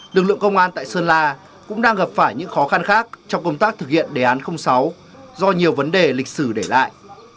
lực lượng công an tại sơn la cũng đang gặp phải những khó khăn khác trong công tác thực hiện đề án sáu do nhiều vấn đề lịch sử để lại